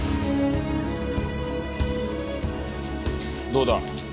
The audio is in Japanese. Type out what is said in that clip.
どうだ？